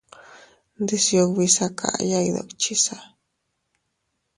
Ndisiubi sakaya iydukchisa.